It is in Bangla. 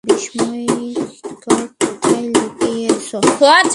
বিস্ফোরক কোথায় লুকিয়েছ?